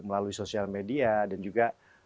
melalui sosial media dan juga